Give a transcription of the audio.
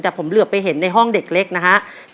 แต่ผมเหลือไปเห็นในห้องเด็กเล็กนะฮะ